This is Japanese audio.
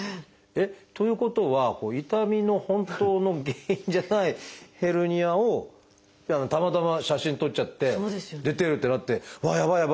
ということは痛みの本当の原因じゃないヘルニアをたまたま写真撮っちゃって出てる！ってなってうわっやばいやばい！